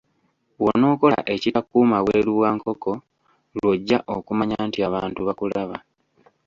Bw'onookola ekitakuuma bweru bwa nkoko, lw'ojja okumanya nti abantu bakulaba.